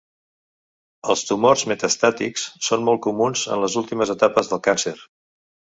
Els tumors metastàtics són molt comuns en les últimes etapes del càncer.